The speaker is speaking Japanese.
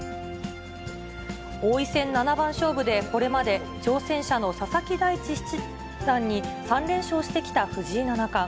王位戦七番勝負でこれまで挑戦者の佐々木大地七段に３連勝してきた藤井七冠。